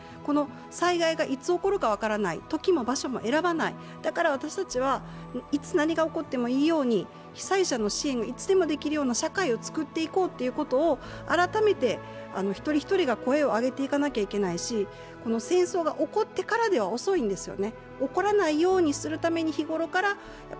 災害がいつ起きるか分からない、時も場所も選ばない、だから私たちはいつ何が起こってもいいように、被災者の支援がいつでもできるような社会をつくっていこうと改めて一人一人が声を上げていかなきゃいけないし戦争が起こってからでは遅いんですよね。